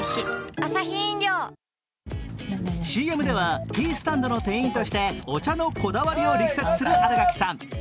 ＣＭではティースタンドの店員としてお茶のこだわりを力説する新垣さん。